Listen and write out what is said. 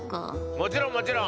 もちろんもちろん。